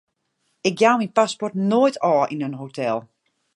Ik jou myn paspoart noait ôf yn in hotel.